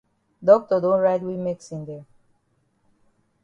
Doctor don write we medicine dem.